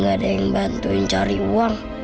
gak ada yang bantuin cari uang